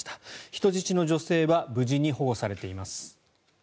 人質の女性は無事、保護されています。